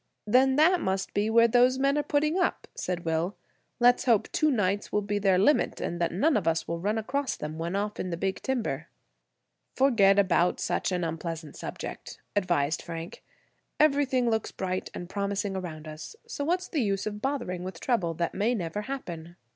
"Then that must be where those men are putting up," said Will. "Let's hope two nights will be their limit, and that none of us run across them when off in the big timber." "Forget about such an unpleasant subject," advised Frank. "Everything looks bright and promising around us, so what's the use bothering with trouble that may never happen?"